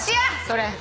それ。